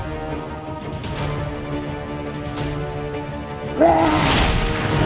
jangan lupa untuk berlangganan